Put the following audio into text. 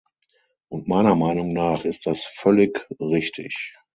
Und meiner Meinung nach ist das völlig richtig.